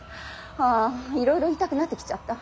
ああいろいろ言いたくなってきちゃった。